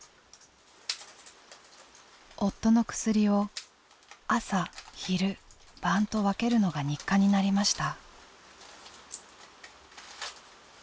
夫の薬を朝昼晩と分けるのが日課になりました。